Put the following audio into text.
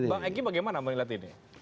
bang egy bagaimana melihat ini